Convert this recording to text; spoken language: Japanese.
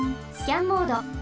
スキャンモード。